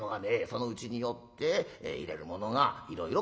そのうちによって入れるものがいろいろ変わってくる。